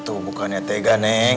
tuh bukannya tega neng